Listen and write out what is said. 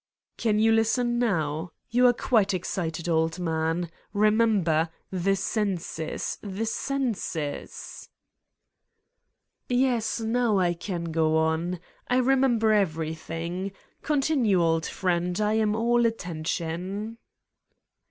"Can you listen now? You are quite excited, old man. Eemember: the senses, the Senses !" "Yes, now I can go on. I ... remember ev erything. Continue, old friend. I am all atten tion."